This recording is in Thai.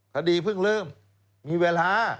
คดีเพิ่งเริ่มมีเวลา